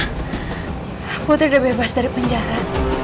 alhamdulillah ma putri udah bebas dari penjara